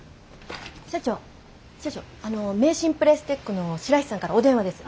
社長社長あの名神プレステックの白石さんからお電話です。